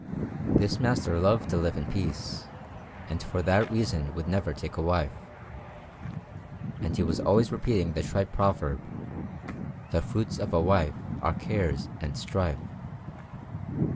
_ Canvas)] This master loved to live in peace, and for that reason would never take a wife; and he was always repeating the trite proverb, "The fruits of a wife are cares and strife."